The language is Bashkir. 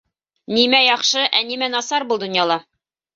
Нимә яҡшы, ә нимә насар был донъяла?